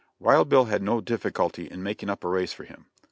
Wild Bill had no difficulty in making up a race for him.